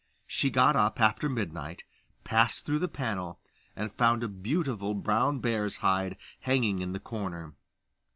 She got up after midnight, passed through the panel, and found a Beautiful brown bear's hide hanging in the corner.